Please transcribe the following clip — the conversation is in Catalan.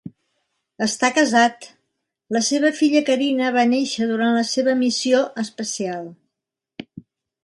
Està casat, la seva filla Carina va néixer durant la seva missió espacial.